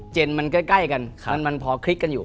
เจนมันใกล้กันมันพอคลิกกันอยู่